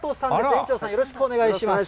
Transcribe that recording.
園長さん、よろしくお願いします。